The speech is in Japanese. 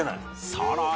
さらに